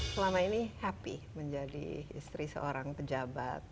selama ini happy menjadi istri seorang pejabat